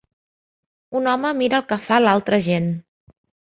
Un home mira el que fa l'altra gent.